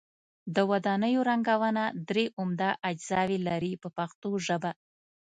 د ودانیو رنګونه درې عمده اجزاوې لري په پښتو ژبه.